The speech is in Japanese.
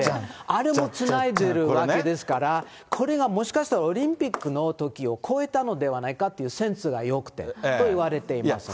あれもつないでるわけですから、これがもしかしたらオリンピックのときを超えたのではないかっていう、センスがよくてといわれていますね。